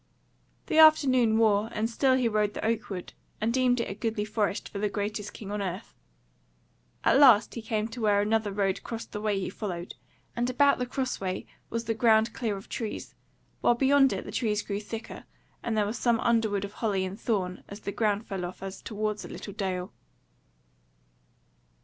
The afternoon wore and still he rode the oak wood, and deemed it a goodly forest for the greatest king on earth. At last he came to where another road crossed the way he followed, and about the crossway was the ground clearer of trees, while beyond it the trees grew thicker, and there was some underwood of holly and thorn as the ground fell off as towards a little dale.